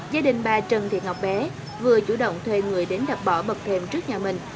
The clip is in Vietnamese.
gia đình bà trần thị ngọc bé vừa chủ động thuê người đến đập bỏ bật thêm trước nhà mình